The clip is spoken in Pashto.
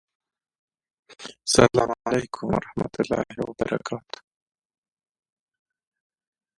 ماشوم وویل چې دی غواړي یو ښه ډاکټر سي.